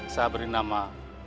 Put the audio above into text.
saya beri nama